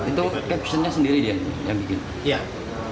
itu caption nya sendiri dia yang bikin